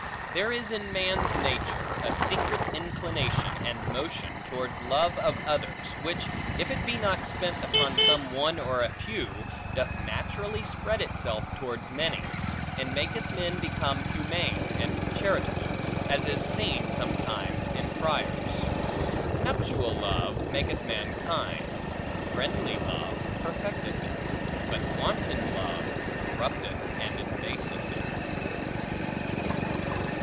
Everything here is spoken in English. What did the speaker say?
There is in man's nature, a secret inclination and motion, towards love of others, which if it be not spent upon some one or a few, doth naturally spread itself towards many, and maketh men become humane and charitable; as it is seen sometime in friars. Nuptial love maketh mankind; friendly love perfecteth it; but wanton love corrupteth, and embaseth it.